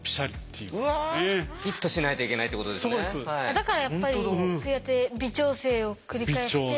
だからやっぱりそうやって微調整を繰り返して。